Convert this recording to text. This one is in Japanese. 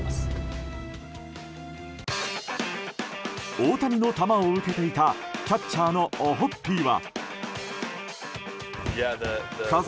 大谷の球を受けていたキャッチャーのオホッピーは。